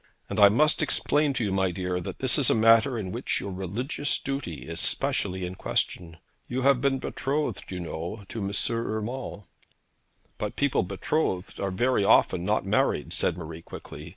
And I must explain to you, my dear, that this is a matter in which your religious duty is specially in question. You have been betrothed, you know, to M. Urmand.' 'But people betrothed are very often not married,' said Marie quickly.